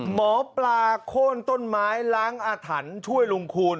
หมอปลาโค้นต้นไม้ล้างอาถรรพ์ช่วยลุงคูณ